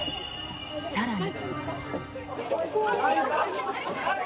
更に。